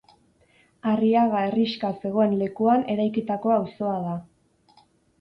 Arriaga herrixka zegoen lekuan eraikitako auzoa da.